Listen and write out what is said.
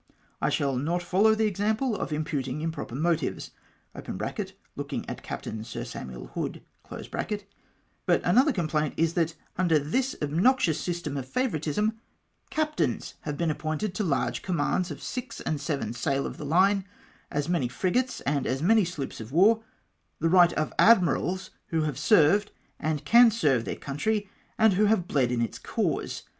I shall not follow the example of imputing improper motives (looking at Captain Sir Samuel Hood) ; but another complaint is, that under this obnoxious system of favouritism, captains have been appointed to large commands of six and seven sail of the line, as many frigates aud as many sloops of war, the right of admirals who have served, and can serve their country, and who have bled in its cause.